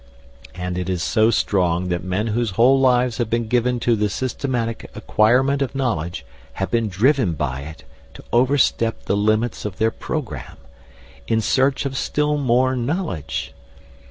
And it is so strong that men whose whole lives have been given to the systematic acquirement of knowledge have been driven by it to overstep the limits of their programme in search of still more knowledge.